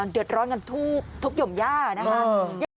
เดือดร้อนกันทุกหยมย่านะคะ